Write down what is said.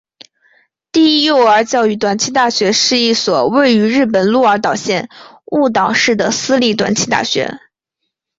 第一幼儿教育短期大学是一所位于日本鹿儿岛县雾岛市的私立短期大学。